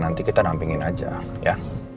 nanti kita dampingin aja ya